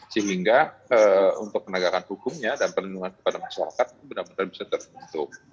sehingga untuk penegakan hukumnya dan perlindungan kepada masyarakat benar benar bisa terbentuk